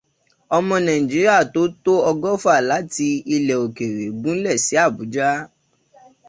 Ọmọ Nàìjíríà tó tó ọgọ́fà láti ilẹ̀ òkèrè gúnlẹ̀ sí Àbújá.